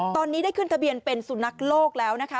ตอนนี้ได้ขึ้นทะเบียนเป็นสุนัขโลกแล้วนะคะ